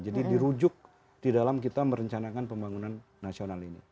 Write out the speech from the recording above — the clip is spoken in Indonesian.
jadi dirujuk di dalam kita merencanakan pembangunan nasional ini